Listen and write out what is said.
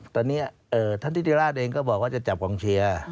ตอนนี้ท่านทิติราชเองก็บอกว่าจะจับกองเชียร์